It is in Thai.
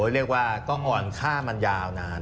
เรียกว่าก็อ่อนค่ามันยาวนาน